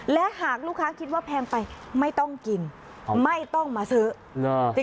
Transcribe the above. และหากลูกค้าคิดว่าแพงไปไม่ต้องกินไม่ต้องมาซื้อ